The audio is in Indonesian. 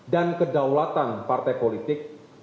dan kedaulatan partai politik